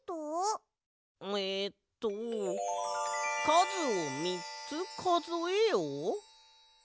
えっと「かずをみっつかぞえよ」？